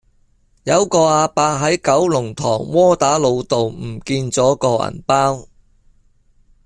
有個亞伯喺九龍塘窩打老道唔見左個銀包